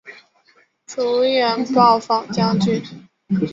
主演暴坊将军。